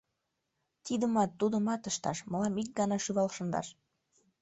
— Тидымат-тудымат ышташ — мылам ик гана шӱвал шындаш.